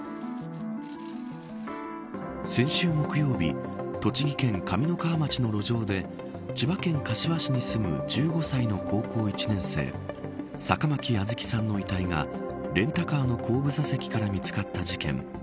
先週木曜日栃木県上三川町の路上で千葉県柏市に住む１５歳の高校１年生坂巻杏月さんの遺体がレンタカーの後部座席から見つかった事件。